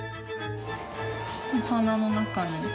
お花の中に。